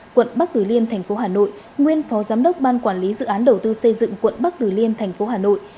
quận bắc tử liêm tp hà nội nguyên phó giám đốc ban quản lý dự án đầu tư xây dựng quận bắc tử liêm tp hà nội